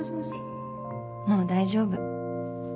もう大丈夫。